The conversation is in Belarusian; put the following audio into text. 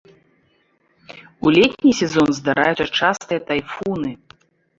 У летні сезон здараюцца частыя тайфуны.